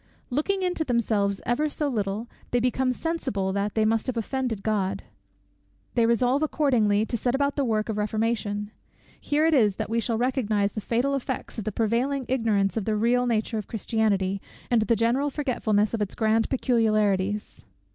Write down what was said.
Looking into themselves ever so little, they become sensible that they must have offended God. They resolve accordingly to set about the work of reformation. Here it is that we shall recognize the fatal effects of the prevailing ignorance of the real nature of Christianity, and the general forgetfulness of its grand peculiarities.